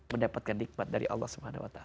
mendapatkan nikmat dari allah swt